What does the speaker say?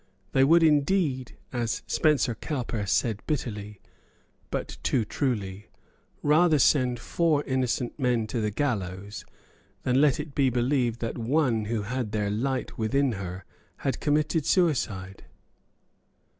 They would, indeed, as Spencer Cowper said bitterly, but too truly, rather send four innocent men to the gallows than let it be believed that one who had their light within her had committed suicide.